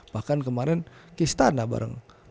bahkan kemarin ke istana bareng